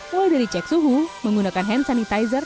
mulai dari cek suhu menggunakan hand sanitizer